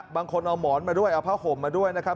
บางคนเอาหมอนมาด้วยเอาผ้าห่มมาด้วยนะครับ